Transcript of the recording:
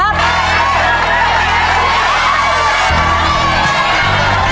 โอ้หมดทีละสองตัวแล้วนะฮะ